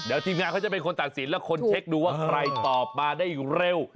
เดี๋ยวทีมงานเขาจะเป็นคนตักศิลป์และคนเชตหนูว่าตอบมาได้อยู่เร็ว